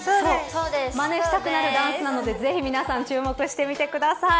まねしたくなるダンスなのでぜひ皆さん注目してみてください。